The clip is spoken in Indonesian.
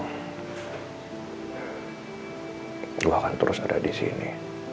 gue akan terus ada disini